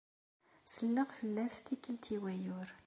Selleɣ fell-as tikkelt i wayyur.